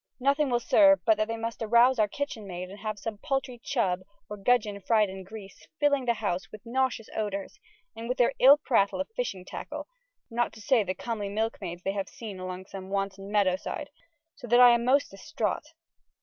Nothing will serve but they must arouse our kytchen maide and have some paltry chubb or gudgeon fryed in greese, filling ye house wyth nauseous odoures, and wyth their ill prattle of fyshing tackle, not to say the comely milke maides they have seen along some wanton meadowside, soe that I am moste distraught.